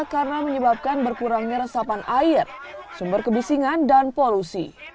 karena menyebabkan berkurangnya resapan air sumber kebisingan dan polusi